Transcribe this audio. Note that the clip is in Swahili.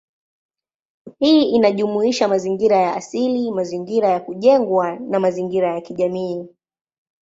Hii inajumuisha mazingira ya asili, mazingira ya kujengwa, na mazingira ya kijamii.